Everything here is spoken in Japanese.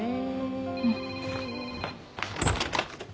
うん。